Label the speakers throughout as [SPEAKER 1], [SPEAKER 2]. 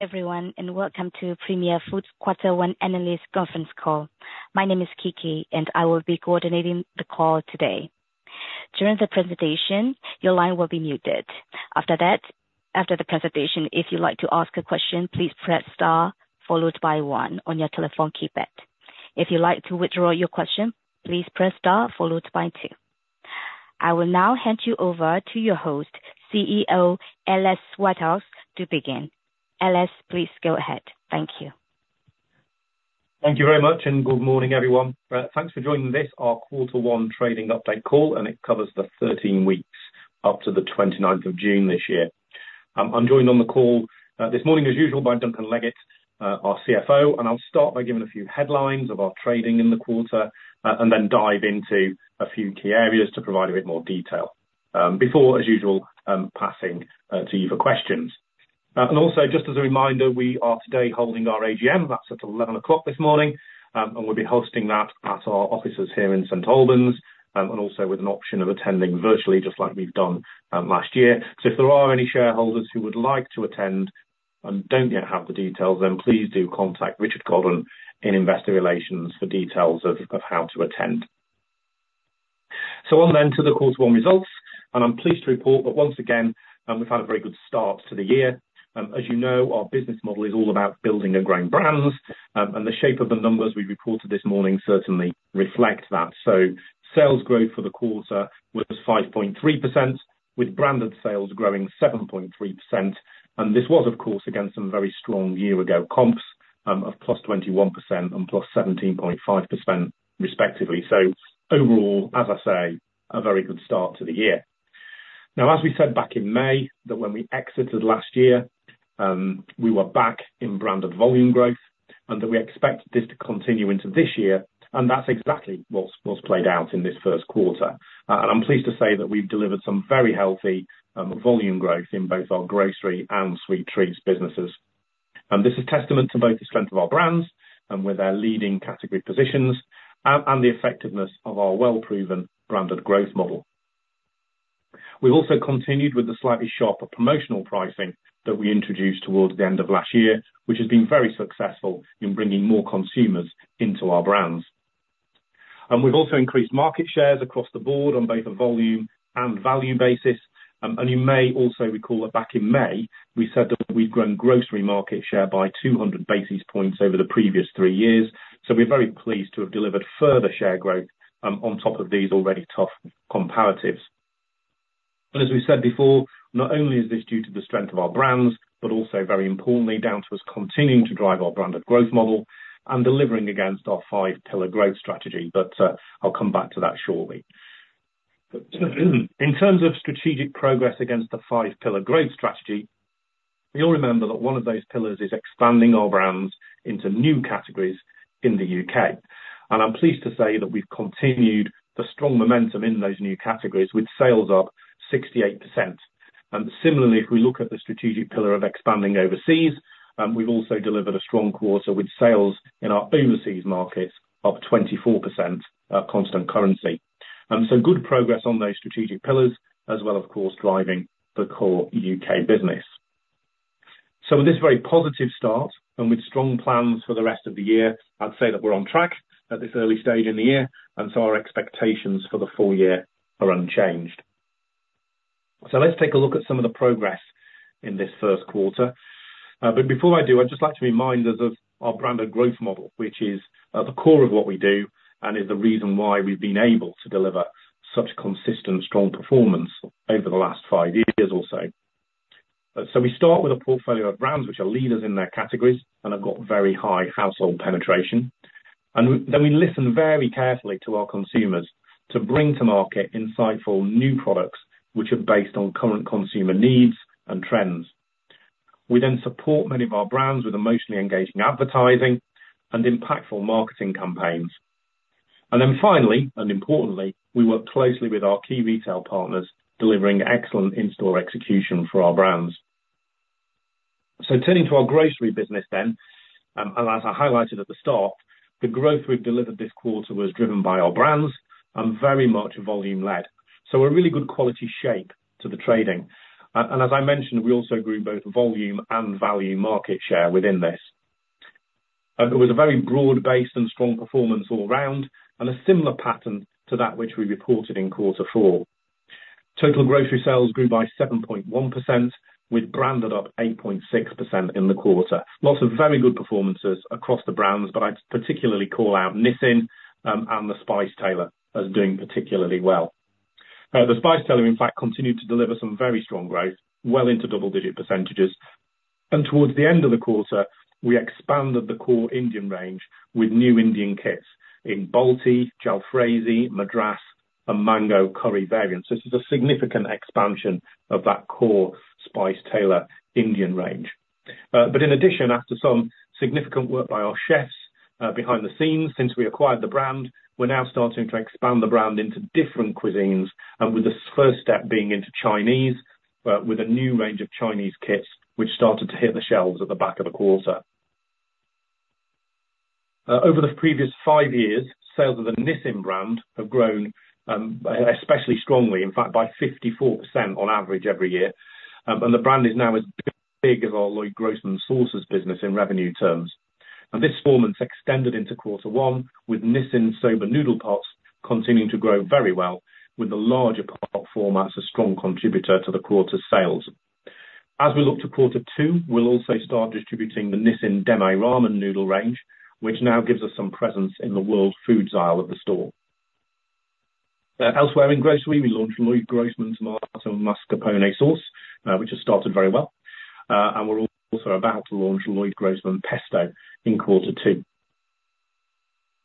[SPEAKER 1] Everyone, and welcome to Premier Foods quarter one analyst conference call. My name is Kiki, and I will be coordinating the call today. During the presentation, your line will be muted. After that, after the presentation, if you'd like to ask a question, please press star followed by one on your telephone keypad. If you'd like to withdraw your question, please press star followed by two. I will now hand you over to your host, CEO Alex Whitehouse, to begin. Alex, please go ahead. Thank you.
[SPEAKER 2] Thank you very much, and good morning, everyone. Thanks for joining this, our quarter one trading update call, and it covers the 13 weeks up to the 29th of June this year. I'm joined on the call this morning, as usual, by Duncan Leggett, our CFO, and I'll start by giving a few headlines of our trading in the quarter, and then dive into a few key areas to provide a bit more detail, before, as usual, passing to you for questions. Also, just as a reminder, we are today holding our AGM, that's at 11:00 A.M. this morning, and we'll be hosting that at our offices here in St. Albans, and also with an option of attending virtually, just like we've done last year. So if there are any shareholders who would like to attend and don't yet have the details, then please do contact Richard Godden in Investor Relations for details of how to attend. So on then to the quarter one results, and I'm pleased to report that once again, we've had a very good start to the year. As you know, our business model is all about building and growing brands, and the shape of the numbers we've reported this morning certainly reflect that. So sales growth for the quarter was 5.3%, with branded sales growing 7.3%. And this was, of course, against some very strong year-ago comps, of +21% and +17.5% respectively. So overall, as I say, a very good start to the year. Now, as we said back in May, that when we exited last year, we were back in branded volume growth and that we expected this to continue into this year, and that's exactly what's played out in this first quarter. And I'm pleased to say that we've delivered some very healthy volume growth in both our grocery and sweet treats businesses. And this is testament to both the strength of our brands and with our leading category positions, and the effectiveness of our well-proven branded growth model. We've also continued with the slightly sharper promotional pricing that we introduced towards the end of last year, which has been very successful in bringing more consumers into our brands. And we've also increased market shares across the board on both a volume and value basis. You may also recall that back in May, we said that we've grown grocery market share by 200 basis points over the previous three years, so we're very pleased to have delivered further share growth on top of these already tough comparatives. But as we said before, not only is this due to the strength of our brands, but also, very importantly, down to us continuing to drive our branded growth model and delivering against our five-pillar growth strategy, but I'll come back to that shortly. In terms of strategic progress against the five-pillar growth strategy, you'll remember that one of those pillars is expanding our brands into new categories in the UK. I'm pleased to say that we've continued the strong momentum in those new categories, with sales up 68%. And similarly, if we look at the strategic pillar of expanding overseas, we've also delivered a strong quarter with sales in our overseas markets, up 24%, constant currency. And so good progress on those strategic pillars, as well, of course, driving the core UK business. So with this very positive start, and with strong plans for the rest of the year, I'd say that we're on track at this early stage in the year, and so our expectations for the full year are unchanged. So let's take a look at some of the progress in this first quarter. But before I do, I'd just like to remind us of our branded growth model, which is at the core of what we do and is the reason why we've been able to deliver such consistent, strong performance over the last 5 years or so. So we start with a portfolio of brands which are leaders in their categories and have got very high household penetration. And then we listen very carefully to our consumers to bring to market insightful new products, which are based on current consumer needs and trends. We then support many of our brands with emotionally engaging advertising and impactful marketing campaigns. And then finally, and importantly, we work closely with our key retail partners, delivering excellent in-store execution for our brands. So turning to our grocery business then, and as I highlighted at the start, the growth we've delivered this quarter was driven by our brands and very much volume-led. So a really good quality shape to the trading. And as I mentioned, we also grew both volume and value market share within this. It was a very broad base and strong performance all around, and a similar pattern to that which we reported in quarter four. Total grocery sales grew by 7.1%, with branded up 8.6% in the quarter. Lots of very good performances across the brands, but I'd particularly call out Nissin and The Spice Tailor as doing particularly well. The Spice Tailor, in fact, continued to deliver some very strong growth, well into double-digit percentages, and towards the end of the quarter, we expanded the core Indian range with new Indian kits in Balti, Jalfrezi, Madras, and Mango curry variants. This is a significant expansion of that core The Spice Tailor Indian range. But in addition, after some significant work by our chefs behind the scenes since we acquired the brand, we're now starting to expand the brand into different cuisines, and with this first step being into Chinese, with a new range of Chinese kits, which started to hit the shelves at the back of the quarter. Over the previous five years, sales of the Nissin brand have grown especially strongly, in fact, by 54% on average every year. And the brand is now as big as our Loyd Grossman sauces business in revenue terms. And this performance extended into quarter one with Nissin Soba noodle pots continuing to grow very well, with the larger pot formats a strong contributor to the quarter's sales. As we look to quarter two, we'll also start distributing the Nissin Demae Ramen noodle range, which now gives us some presence in the world food aisle of the store. Elsewhere in grocery, we launched Loyd Grossman's tomato and mascarpone sauce, which has started very well. And we're also about to launch Loyd Grossman pesto in quarter two.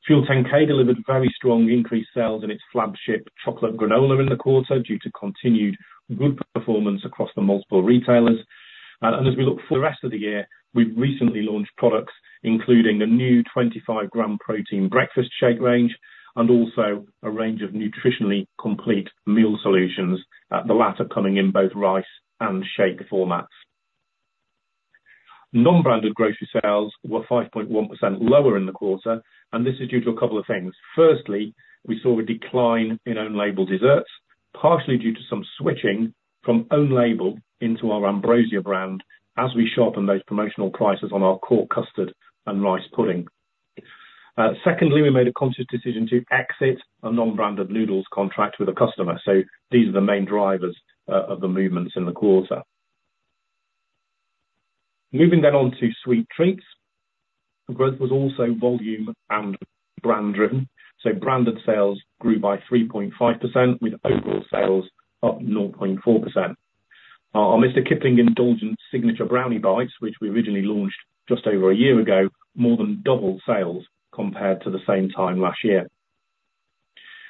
[SPEAKER 2] Fuel10K delivered very strong increased sales in its flagship chocolate granola in the quarter, due to continued good performance across the multiple retailers. As we look for the rest of the year, we've recently launched products, including a new 25-gram protein breakfast shake range, and also a range of nutritionally complete meal solutions, at the latter coming in both rice and shake formats. Non-branded grocery sales were 5.1% lower in the quarter, and this is due to a couple of things. Firstly, we saw a decline in own label desserts, partially due to some switching from own label into our Ambrosia brand, as we sharpen those promotional prices on our core custard and rice pudding. Secondly, we made a conscious decision to exit a non-branded noodles contract with a customer, so these are the main drivers of the movements in the quarter. Moving then on to sweet treats. Growth was also volume and brand driven. So branded sales grew by 3.5%, with overall sales up 0.4%. Our Mr. Kipling Indulgence Signature Brownie Bites, which we originally launched just over a year ago, more than doubled sales compared to the same time last year.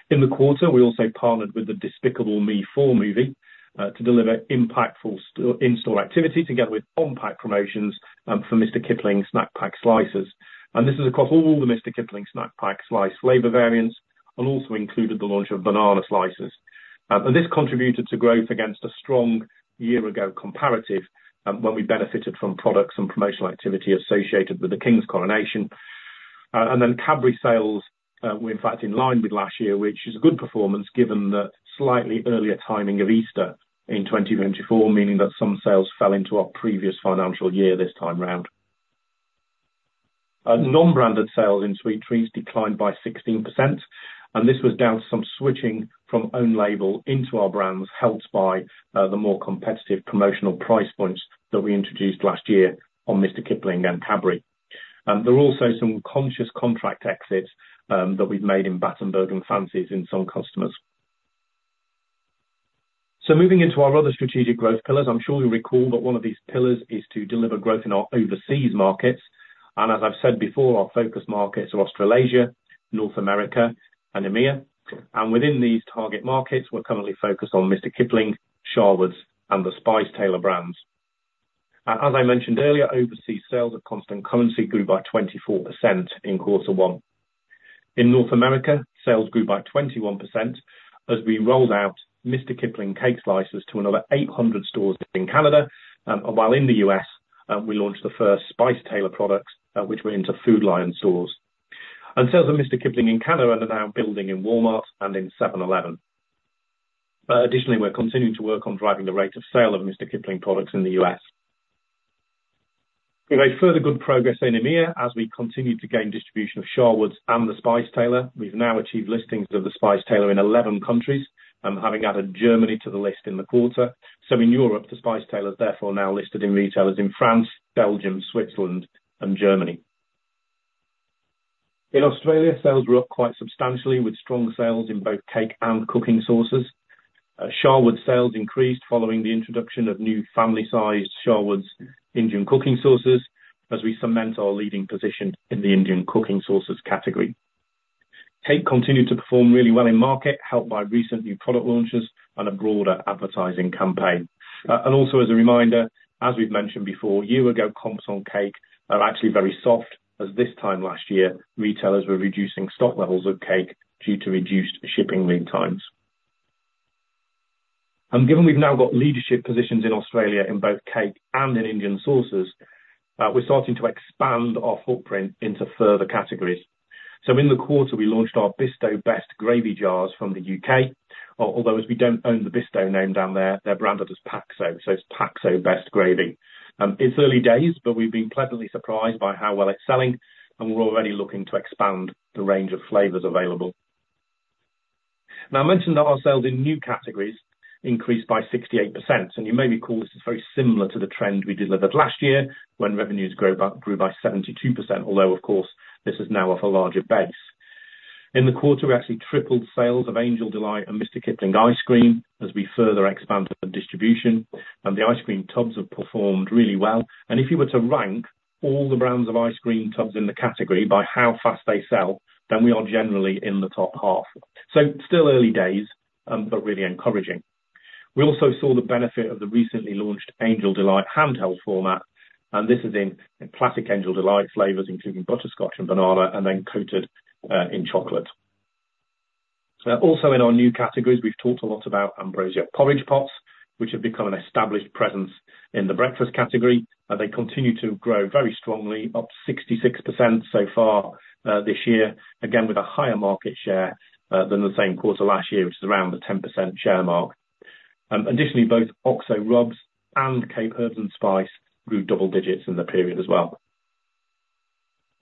[SPEAKER 2] In the quarter, we also partnered with the Despicable Me 4 movie to deliver impactful in-store activity, together with on-pack promotions for Mr. Kipling's Snack Pack Slices. And this is across all the Mr. Kipling Snack Pack Slice flavor variants, and also included the launch of banana slices. And this contributed to growth against a strong year-ago comparative, when we benefited from products and promotional activity associated with the King's coronation. And then Cadbury sales were in fact in line with last year, which is a good performance given the slightly earlier timing of Easter in 2024, meaning that some sales fell into our previous financial year, this time round. Non-branded sales in sweet treats declined by 16%, and this was down to some switching from own label into our brands, helped by the more competitive promotional price points that we introduced last year on Mr. Kipling and Cadbury. And there are also some conscious contract exits that we've made in Battenberg and Fancies in some customers. So moving into our other strategic growth pillars, I'm sure you'll recall that one of these pillars is to deliver growth in our overseas markets. As I've said before, our focus markets are Australasia, North America, and EMEA. Within these target markets, we're currently focused on Mr. Kipling, Sharwood's, and The Spice Tailor brands. As I mentioned earlier, overseas sales of constant currency grew by 24% in quarter one. In North America, sales grew by 21%, as we rolled out Mr. Kipling cake slices to another 800 stores in Canada. While in the U.S., we launched the first Spice Tailor products, which went into Food Lion stores. Sales of Mr. Kipling in Canada are now building in Walmart and in 7-Eleven. Additionally, we're continuing to work on driving the rate of sale of Mr. Kipling products in the U.S. We made further good progress in EMEA, as we continued to gain distribution of Sharwood's and The Spice Tailor. We've now achieved listings of The Spice Tailor in 11 countries, having added Germany to the list in the quarter. So in Europe, The Spice Tailor is therefore now listed in retailers in France, Belgium, Switzerland, and Germany. In Australia, sales were up quite substantially, with strong sales in both cake and cooking sauces. Sharwood's sales increased following the introduction of new family-sized Sharwood's Indian cooking sauces, as we cement our leading position in the Indian cooking sauces category. Cake continued to perform really well in market, helped by recent new product launches and a broader advertising campaign. And also as a reminder, as we've mentioned before, a year ago, comps on cake are actually very soft, as this time last year, retailers were reducing stock levels of cake due to reduced shipping lead times. And given we've now got leadership positions in Australia in both cake and in Indian sauces, we're starting to expand our footprint into further categories. So in the quarter, we launched our Bisto Best gravy jars from the UK, although as we don't own the Bisto name down there, they're branded as Paxo, so it's Paxo Best Gravy. It's early days, but we've been pleasantly surprised by how well it's selling, and we're already looking to expand the range of flavors available. Now, I mentioned that our sales in new categories increased by 68%, and you may recall this is very similar to the trend we delivered last year when revenues grew by 72%, although, of course, this is now off a larger base. In the quarter, we actually tripled sales of Angel Delight and Mr. Kipling ice cream as we further expanded the distribution, and the ice cream tubs have performed really well. And if you were to rank all the brands of ice cream tubs in the category by how fast they sell, then we are generally in the top half. So still early days, but really encouraging. We also saw the benefit of the recently launched Angel Delight handheld format, and this is in classic Angel Delight flavors, including butterscotch and banana, and then coated in chocolate.... So also in our new categories, we've talked a lot about Ambrosia porridge pots, which have become an established presence in the breakfast category, and they continue to grow very strongly, up 66% so far, this year, again, with a higher market share, than the same quarter last year, which is around the 10% share mark. Additionally, both OXO rubs and Cape Herb & Spice grew double digits in the period as well.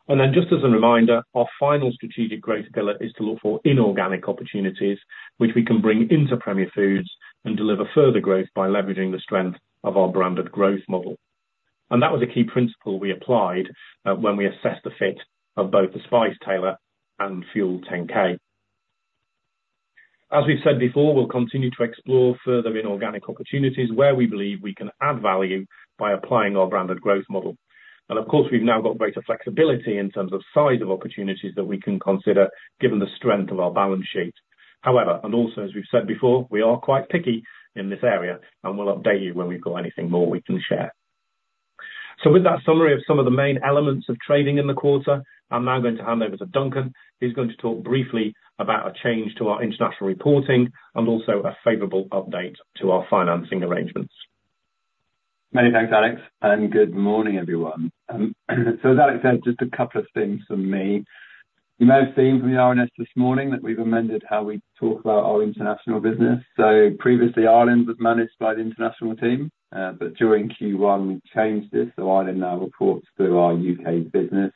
[SPEAKER 2] And then just as a reminder, our final strategic growth pillar is to look for inorganic opportunities, which we can bring into Premier Foods and deliver further growth by leveraging the strength of our branded growth model. And that was a key principle we applied, when we assessed the fit of both The Spice Tailor and Fuel10K. As we've said before, we'll continue to explore further inorganic opportunities where we believe we can add value by applying our branded growth model. Of course, we've now got greater flexibility in terms of size of opportunities that we can consider, given the strength of our balance sheet. However, and also as we've said before, we are quite picky in this area, and we'll update you when we've got anything more we can share. With that summary of some of the main elements of trading in the quarter, I'm now going to hand over to Duncan, who's going to talk briefly about a change to our international reporting and also a favorable update to our financing arrangements.
[SPEAKER 3] Many thanks, Alex, and good morning, everyone. So as Alex said, just a couple of things from me. You may have seen from the RNS this morning that we've amended how we talk about our international business. So previously, Ireland was managed by the international team, but during Q1, we changed this, so Ireland now reports through our UK business.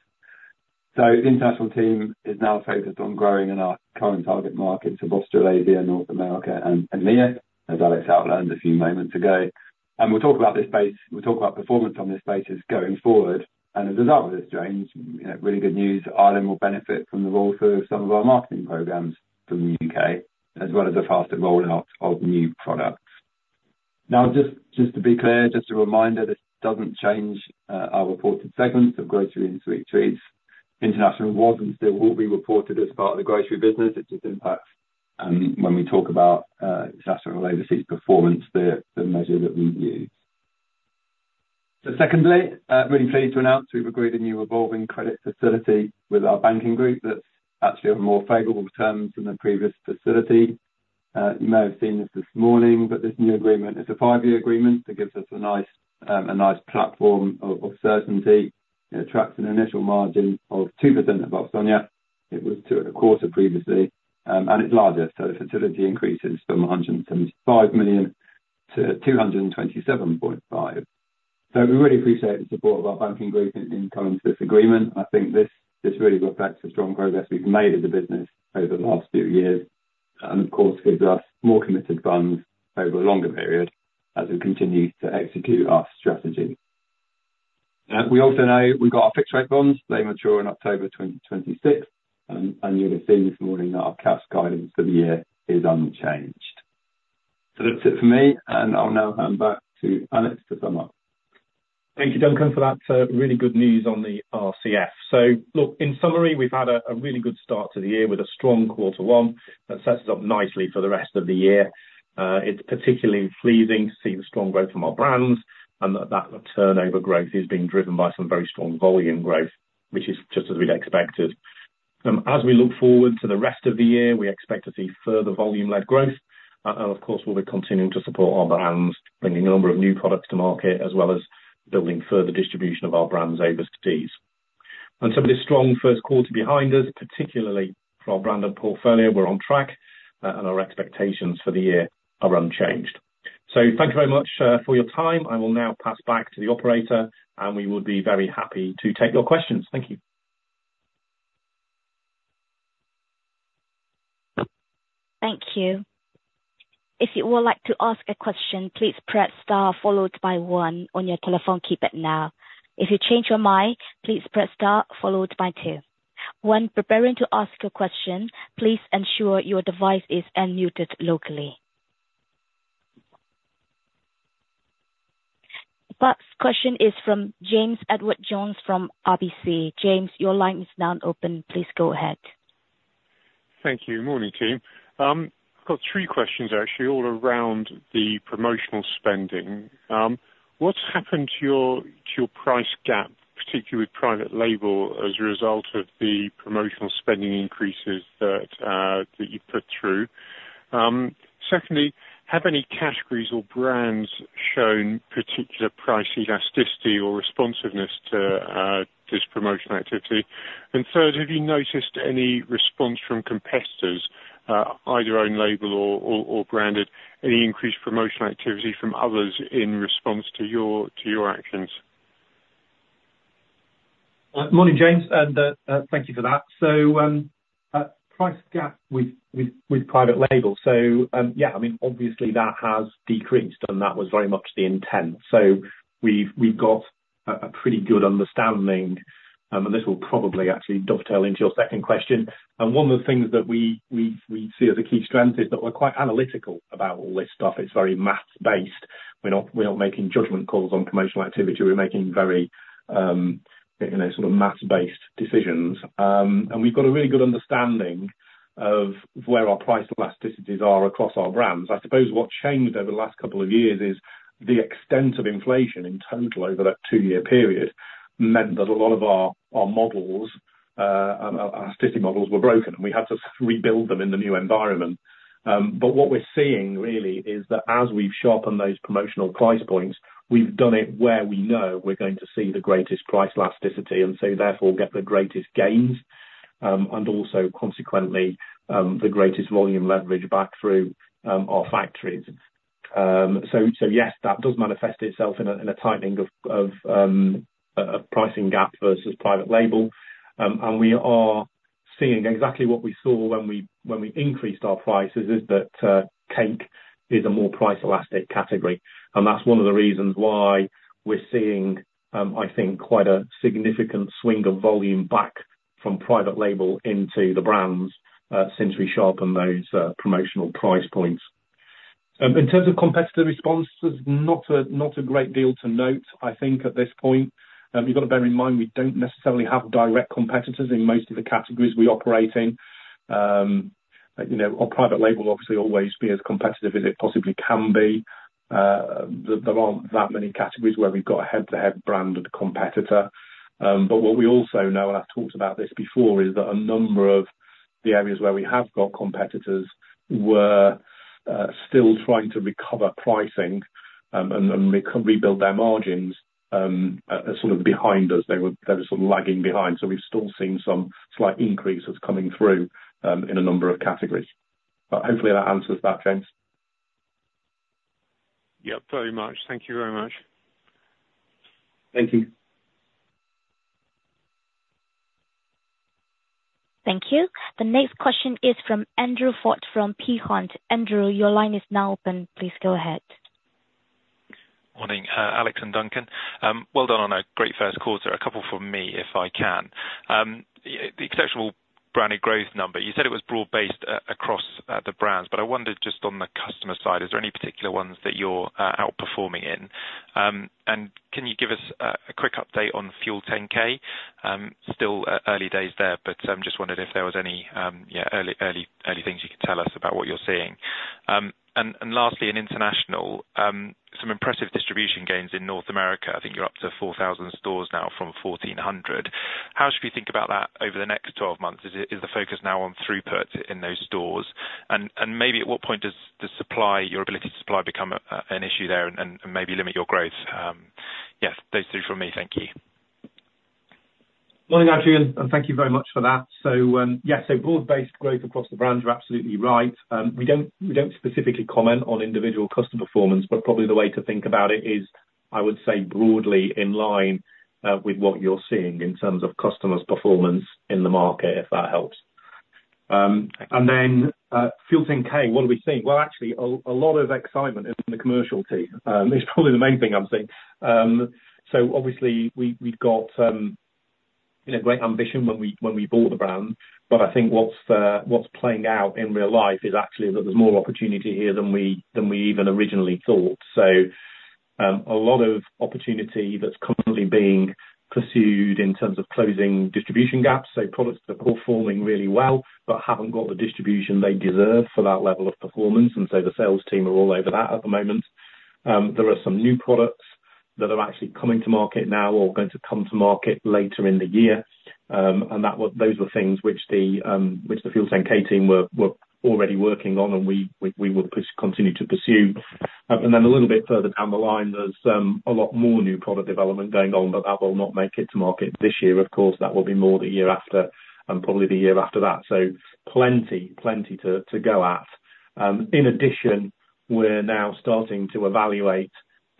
[SPEAKER 3] So the international team is now focused on growing in our current target markets of Australasia, North America, and EMEA, as Alex outlined a few moments ago. And we'll talk about performance on these spaces going forward. And as a result of this change, you know, really good news, Ireland will benefit from the roll through of some of our marketing programs from the UK, as well as the faster rollout of new products. Now, just, just to be clear, just a reminder, this doesn't change our reported segments of grocery and sweet treats. International markets still will be reported as part of the grocery business, it just impacts when we talk about international overseas performance, the measure that we use. So secondly, really pleased to announce we've agreed a new revolving credit facility with our banking group that actually have more favorable terms than the previous facility. You may have seen this this morning, but this new agreement is a five-year agreement that gives us a nice platform of certainty. It attracts an initial margin of 2% above SONIA. It was 2.25% previously, and it's larger, so the facility increases from 175 million to 227.5 million. So we really appreciate the support of our banking group in coming to this agreement. I think this really reflects the strong progress we've made as a business over the last few years, and of course, gives us more committed funds over a longer period as we continue to execute our strategy. We also know we've got our fixed rate bonds. They mature in October 2026, and you would have seen this morning that our cash guidance for the year is unchanged. So that's it for me, and I'll now hand back to Alex to sum up.
[SPEAKER 2] Thank you, Duncan, for that, really good news on the RCF. So look, in summary, we've had a really good start to the year with a strong quarter one, that sets us up nicely for the rest of the year. It's particularly pleasing to see the strong growth from our brands, and that turnover growth is being driven by some very strong volume growth, which is just as we'd expected. As we look forward to the rest of the year, we expect to see further volume-led growth, and of course, we'll be continuing to support our brands, bringing a number of new products to market, as well as building further distribution of our brands overseas. And so with this strong first quarter behind us, particularly for our branded portfolio, we're on track, and our expectations for the year are unchanged. Thank you very much for your time. I will now pass back to the operator, and we would be very happy to take your questions. Thank you.
[SPEAKER 1] Thank you. If you would like to ask a question, please press star followed by one on your telephone keypad now. If you change your mind, please press star followed by two. When preparing to ask a question, please ensure your device is unmuted locally. First question is from James Edwardes Jones from RBC. James, your line is now open. Please go ahead.
[SPEAKER 4] Thank you. Morning, team. I've got three questions, actually, all around the promotional spending. What's happened to your, to your price gap, particularly with private label, as a result of the promotional spending increases that you've put through? Secondly, have any categories or brands shown particular price elasticity or responsiveness to this promotion activity? And third, have you noticed any response from competitors, either own label or branded, any increased promotional activity from others in response to your actions?
[SPEAKER 2] Morning, James, and thank you for that. So, price gap with private label. So, yeah, I mean, obviously, that has decreased, and that was very much the intent. So we've got a pretty good understanding, and this will probably actually dovetail into your second question. And one of the things that we see as a key strength is that we're quite analytical about all this stuff. It's very math-based. We're not making judgment calls on promotional activity. We're making very, you know, sort of math-based decisions. And we've got a really good understanding of where our price elasticities are across our brands. I suppose what's changed over the last couple of years is the extent of inflation in total over that two-year period. meant that a lot of our models, our city models were broken, and we had to rebuild them in the new environment. But what we're seeing really is that as we've sharpened those promotional price points, we've done it where we know we're going to see the greatest price elasticity, and so therefore get the greatest gains, and also consequently, the greatest volume leverage back through our factories. So yes, that does manifest itself in a tightening of a pricing gap versus private label. And we are seeing exactly what we saw when we increased our prices, is that cake is a more price elastic category. And that's one of the reasons why we're seeing, I think, quite a significant swing of volume back from private label into the brands, since we sharpened those, promotional price points. In terms of competitive responses, not a great deal to note, I think at this point. You've got to bear in mind, we don't necessarily have direct competitors in most of the categories we operate in. You know, our private label obviously always be as competitive as it possibly can be. There aren't that many categories where we've got a head-to-head branded competitor. But what we also know, and I've talked about this before, is that a number of the areas where we have got competitors, were still trying to recover pricing, and rebuild their margins, sort of behind us. They were kind of sort of lagging behind, so we've still seen some slight increases coming through, in a number of categories. But hopefully that answers that, James.
[SPEAKER 4] Yep, very much. Thank you very much.
[SPEAKER 2] Thank you.
[SPEAKER 1] Thank you. The next question is from Andrew Ford, from Peel Hunt. Andrew, your line is now open. Please go ahead.
[SPEAKER 5] Morning, Alex and Duncan. Well done on a great first quarter. A couple from me, if I can. The exceptional branded growth number, you said it was broad-based across the brands, but I wondered just on the customer side, is there any particular ones that you're outperforming in? And can you give us a quick update on Fuel10K? Still early days there, but just wondered if there was any early things you could tell us about what you're seeing. And lastly, in international, some impressive distribution gains in North America. I think you're up to 4,000 stores now from 1,400. How should we think about that over the next 12 months? Is the focus now on throughput in those stores? And maybe at what point does the supply, your ability to supply, become an issue there and maybe limit your growth? Yes, those three from me. Thank you.
[SPEAKER 2] Morning, Andrew, and thank you very much for that. So, yeah, so broad-based growth across the brand, you're absolutely right. We don't, we don't specifically comment on individual customer performance, but probably the way to think about it is, I would say broadly in line with what you're seeing in terms of customers' performance in the market, if that helps. And then, FUEL10K, what do we see? Well, actually, a lot of excitement in the commercial team is probably the main thing I'm seeing. So obviously we, we've got, you know, great ambition when we, when we bought the brand, but I think what's, what's playing out in real life is actually that there's more opportunity here than we, than we even originally thought. So, a lot of opportunity that's currently being pursued in terms of closing distribution gaps, so products that are performing really well, but haven't got the distribution they deserve for that level of performance, and so the sales team are all over that at the moment. There are some new products that are actually coming to market now or going to come to market later in the year. And those were things which the Fuel10K team were already working on, and we will continue to pursue. And then a little bit further down the line, there's a lot more new product development going on, but that will not make it to market this year. Of course, that will be more the year after, and probably the year after that. So plenty, plenty to, to go at. In addition, we're now starting to evaluate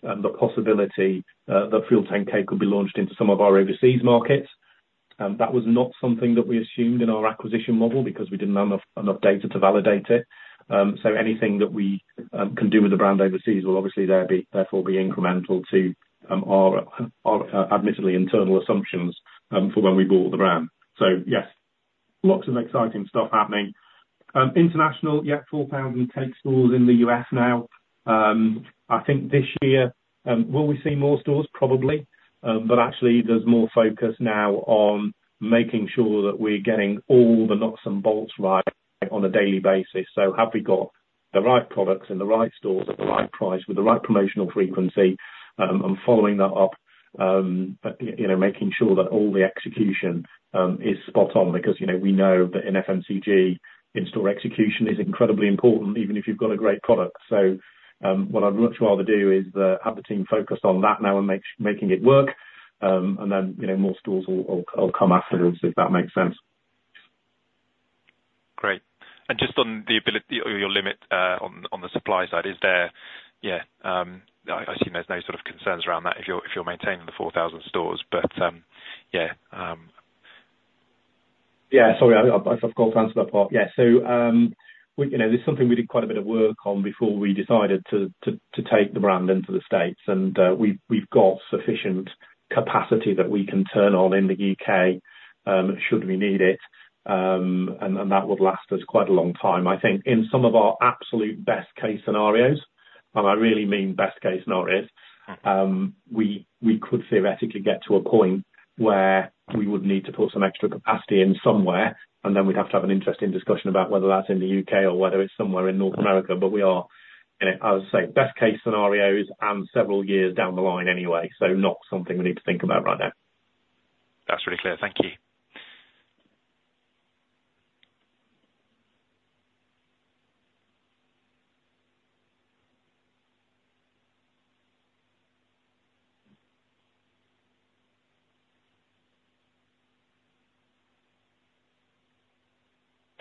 [SPEAKER 2] the possibility that FUEL10K could be launched into some of our overseas markets. That was not something that we assumed in our acquisition model, because we didn't have enough, enough data to validate it. So anything that we can do with the brand overseas will obviously there be, therefore be incremental to our, our, admittedly internal assumptions for when we bought the brand. So yes, lots of exciting stuff happening. International, yeah, 4,000 cake stores in the US now. I think this year, will we see more stores? Probably. But actually there's more focus now on making sure that we're getting all the locks and bolts right on a daily basis. So have we got the right products, in the right stores, at the right price, with the right promotional frequency? And following that up, you know, making sure that all the execution is spot on, because, you know, we know that in FMCG, in-store execution is incredibly important, even if you've got a great product. So, what I'd much rather do is, have the team focused on that now and making it work, and then, you know, more stores will come afterwards, if that makes sense.
[SPEAKER 5] Great. And just on the ability or your limit on the supply side, is there... Yeah, I assume there's no sort of concerns around that if you're maintaining the 4,000 stores, but yeah.
[SPEAKER 2] Yeah, sorry, I've forgot to answer that part. Yeah. So, you know, this is something we did quite a bit of work on before we decided to take the brand into the States. And, we've got sufficient capacity that we can turn on in the UK, should we need it, and that would last us quite a long time. I think in some of our absolute best case scenarios, and I really mean best case scenarios, we could theoretically get to a point where we would need to put some extra capacity in somewhere, and then we'd have to have an interesting discussion about whether that's in the UK or whether it's somewhere in North America, but we are-... You know, I would say best case scenarios and several years down the line anyway, so not something we need to think about right now.
[SPEAKER 1] That's really clear. Thank you.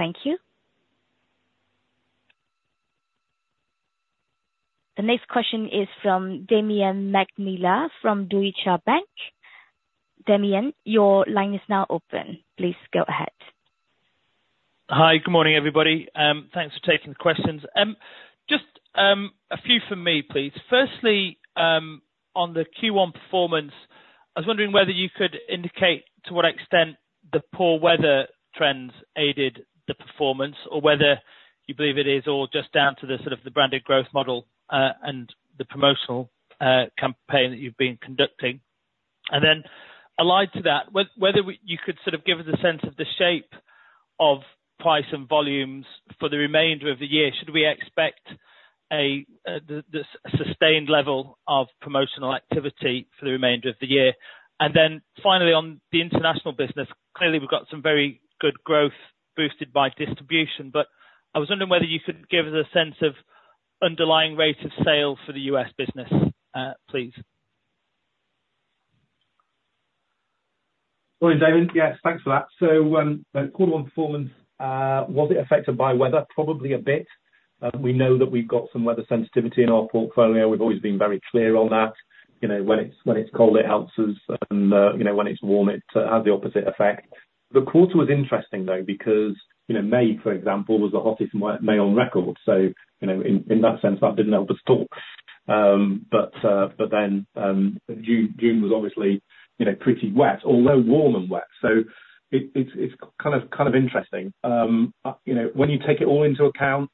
[SPEAKER 1] Thank you. The next question is from Damian McNeela, from Deutsche Bank. Damian, your line is now open. Please go ahead.
[SPEAKER 6] Hi, good morning, everybody. Thanks for taking the questions. Just a few from me, please. Firstly, on the Q1 performance, I was wondering whether you could indicate to what extent the poor weather trends aided the performance, or whether you believe it is all just down to the sort of the branded growth model, and the promotional campaign that you've been conducting? And then allied to that, whether you could sort of give us a sense of the shape of price and volumes for the remainder of the year, should we expect the sustained level of promotional activity for the remainder of the year? Finally, on the international business, clearly, we've got some very good growth boosted by distribution, but I was wondering whether you could give us a sense of underlying rate of sale for the US business, please.
[SPEAKER 2] Morning, Damian. Yes, thanks for that. So, quarter one performance, was it affected by weather? Probably a bit. We know that we've got some weather sensitivity in our portfolio. We've always been very clear on that. You know, when it's cold, it helps us. And, you know, when it's warm, it has the opposite effect. The quarter was interesting, though, because, you know, May, for example, was the hottest May on record. So, you know, in that sense, that didn't help us at all. But then, June was obviously, you know, pretty wet, although warm and wet, so it's kind of interesting. You know, when you take it all into account,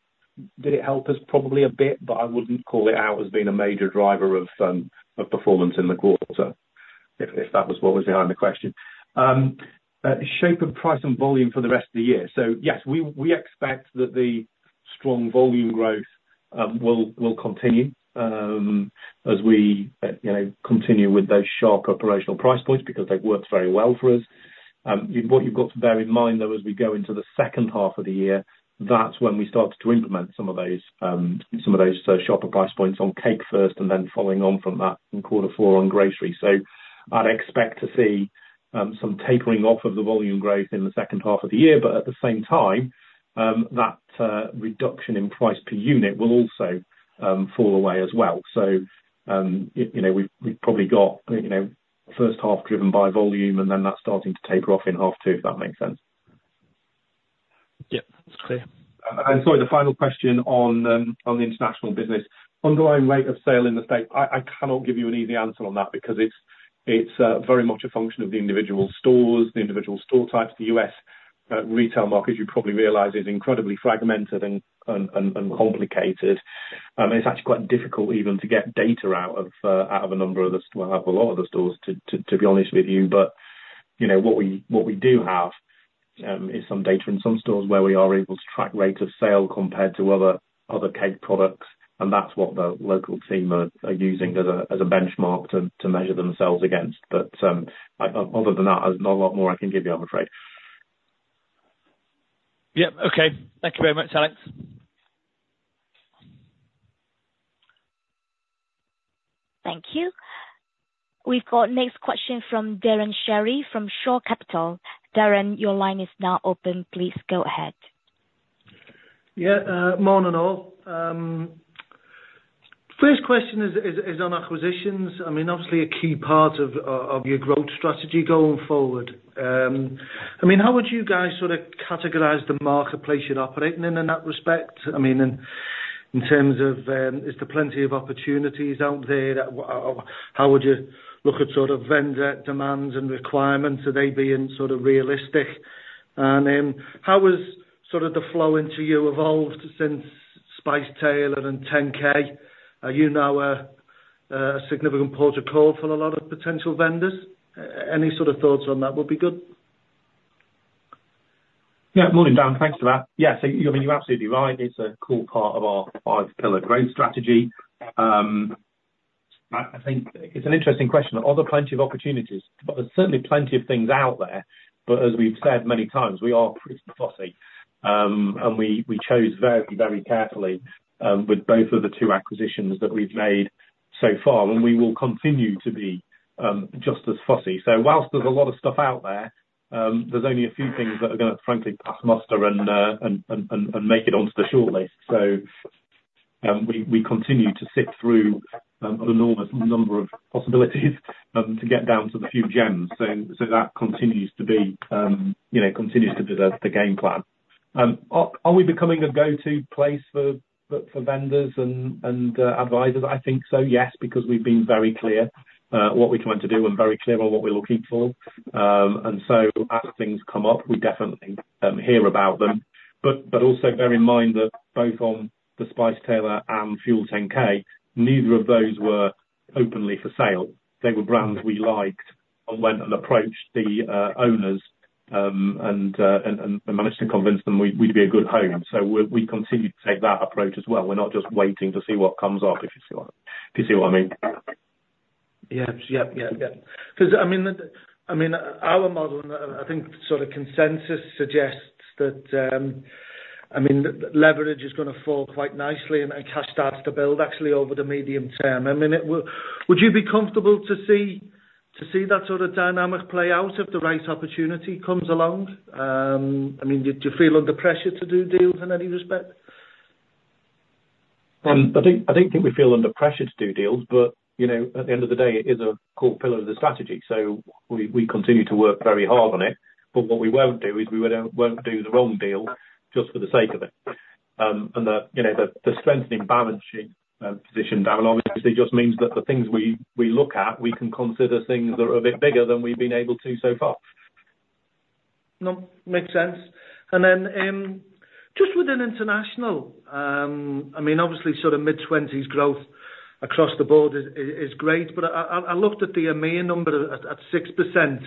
[SPEAKER 2] did it help us? Probably a bit, but I wouldn't call it out as being a major driver of performance in the quarter, if that was what was behind the question. Shape and price and volume for the rest of the year. So yes, we expect that the strong volume growth will continue as we you know continue with those sharp operational price points, because they've worked very well for us. What you've got to bear in mind, though, as we go into the second half of the year, that's when we start to implement some of those shop price points on cake first, and then following on from that in quarter four on grocery. So I'd expect to see some tapering off of the volume growth in the second half of the year, but at the same time, that reduction in price per unit will also fall away as well. So, you know, we've probably got, you know, first half driven by volume, and then that's starting to taper off in half two, if that makes sense.
[SPEAKER 6] Yeah. It's clear.
[SPEAKER 2] Sorry, the final question on the international business. Underlying rate of sale in the States, I cannot give you an easy answer on that, because it's very much a function of the individual stores, the individual store types. The U.S. retail market, as you probably realize, is incredibly fragmented and complicated. It's actually quite difficult even to get data out of a lot of the stores, to be honest with you. But, you know, what we do have is some data in some stores where we are able to track rate of sale compared to other cake products, and that's what the local team are using as a benchmark to measure themselves against. But, other than that, there's not a lot more I can give you, I'm afraid.
[SPEAKER 6] Yep. Okay. Thank you very much, Alex.
[SPEAKER 1] Thank you. We've got next question from Darren Shirley from Shore Capital. Darren, your line is now open. Please go ahead.
[SPEAKER 7] Yeah, morning, all. First question is on acquisitions. I mean, obviously a key part of, of your growth strategy going forward. I mean, how would you guys sort of categorize the marketplace you're operating in, in that respect? I mean, in terms of, is there plenty of opportunities out there... How would you look at sort of vendor demands and requirements? Are they being sort of realistic? And then, how has sort of the flow into you evolved since Spice Tailor and 10K? Are you now a significant port of call for a lot of potential vendors? Any sort of thoughts on that would be good.
[SPEAKER 2] Yeah. Morning, Darren, thanks for that. Yeah, so you're absolutely right. It's a core part of our five-pillar growth strategy. I think it's an interesting question. Are there plenty of opportunities? Well, there's certainly plenty of things out there, but as we've said many times, we are pretty fussy, and we chose very, very carefully with both of the two acquisitions that we've made so far, and we will continue to be just as fussy. So whilst there's a lot of stuff out there, there's only a few things that are gonna frankly pass muster and make it onto the shortlist. So, we continue to sift through an enormous number of possibilities to get down to the few gems. So that continues to be, you know, continues to be the game plan. Are we becoming a go-to place for vendors and advisors? I think so, yes, because we've been very clear what we're trying to do and very clear on what we're looking for. And so as things come up, we definitely hear about them. But also bear in mind that both the Spice Tailor and Fuel10K, neither of those were openly for sale. They were brands we liked and went and approached the owners and managed to convince them we'd be a good home. So we continue to take that approach as well. We're not just waiting to see what comes up, if you see what I mean?
[SPEAKER 7] Yep, yep, yep, yep. 'Cause I mean, I mean, our model, and I think sort of consensus suggests that, I mean, leverage is gonna fall quite nicely, and cash starts to build actually over the medium term. I mean, would you be comfortable to see that sort of dynamic play out if the right opportunity comes along? I mean, do you feel under pressure to do deals in any respect?
[SPEAKER 2] I think we feel under pressure to do deals, but, you know, at the end of the day, it is a core pillar of the strategy, so we continue to work very hard on it. But what we won't do is, we won't do the wrong deal just for the sake of it. And the, you know, the strengthening balance sheet position dialogue, obviously just means that the things we look at, we can consider things that are a bit bigger than we've been able to so far.
[SPEAKER 7] No, makes sense. And then, just within international, I mean, obviously, sort of mid-20s growth across the board is great, but I looked at the EMEA number at 6%,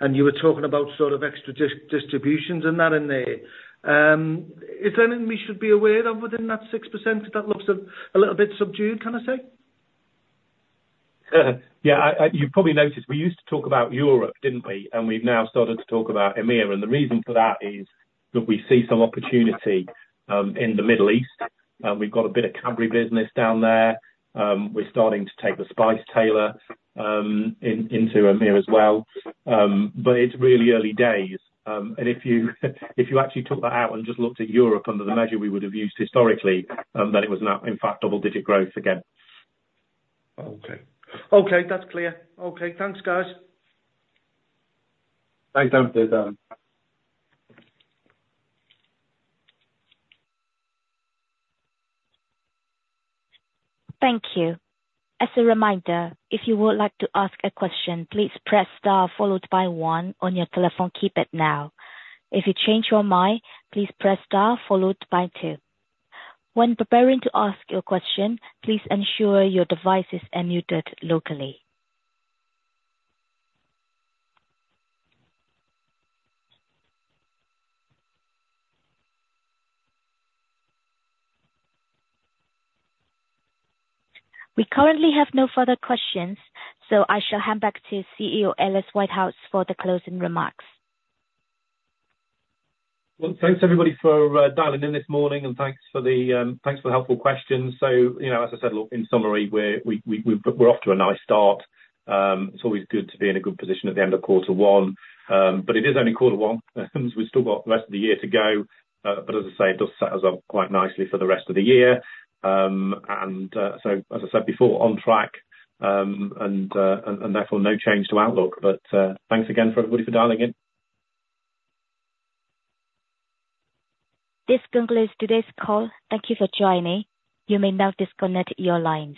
[SPEAKER 7] and you were talking about sort of extra distributions and that in there. Is there anything we should be aware of within that 6%, that looks a little bit subdued, can I say?
[SPEAKER 2] Yeah, you probably noticed, we used to talk about Europe, didn't we? And we've now started to talk about EMEA, and the reason for that is that we see some opportunity in the Middle East, and we've got a bit of Cadbury business down there. We're starting to take The Spice Tailor into EMEA as well. But it's really early days. And if you actually took that out and just looked at Europe under the measure we would have used historically, then it was now, in fact, double digit growth again.
[SPEAKER 7] Okay. Okay, that's clear. Okay, thanks, guys.
[SPEAKER 2] Thanks, and we're done.
[SPEAKER 1] Thank you. As a reminder, if you would like to ask a question, please press star followed by one on your telephone keypad now. If you change your mind, please press star followed by two. When preparing to ask your question, please ensure your device is unmuted locally. We currently have no further questions, so I shall hand back to CEO, Alasdair Whitehouse, for the closing remarks.
[SPEAKER 2] Well, thanks everybody for dialing in this morning, and thanks for the helpful questions. So, you know, as I said, look, in summary, we're off to a nice start. It's always good to be in a good position at the end of quarter one. But it is only quarter one, so we've still got the rest of the year to go. But as I say, it does set us up quite nicely for the rest of the year. And so as I said before, on track, and therefore, no change to outlook. But thanks again for everybody for dialing in.
[SPEAKER 1] This concludes today's call. Thank you for joining. You may now disconnect your lines.